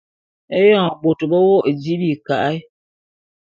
Éyoñ bôt be wô’ô di bika’e.